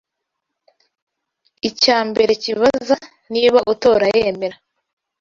icya mbere kibaza niba utora yemera